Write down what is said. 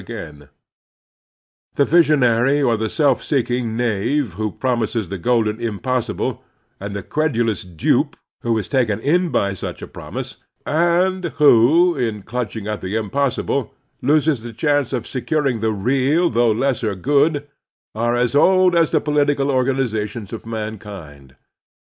144 The Strenuous Life The visionary or the self seeking knave who promises the golden impossible, and the credulous dupe who is taken in by such a promise, and who in clutching at the impossible loses the chance of securing the real though lesser good, are as old as the political organizations of mankind.